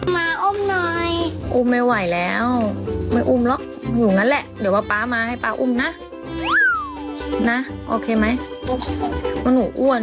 มาอุ้มหน่อยอุ้มไม่ไหวแล้วไม่อุ้มหรอกอยู่งั้นแหละเดี๋ยวว่าป๊ามาให้ป๊าอุ้มนะนะโอเคไหมว่าหนูอ้วน